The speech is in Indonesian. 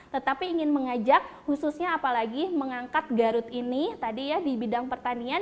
tetapi ingin mengajak khususnya apalagi mengangkat garut ini tadi ya di bidang pertanian